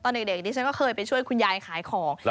เด็กดิฉันก็เคยไปช่วยคุณยายขายของ